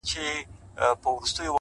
د حقیقت منل درک پراخوي؛